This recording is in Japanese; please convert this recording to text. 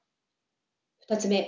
２つ目。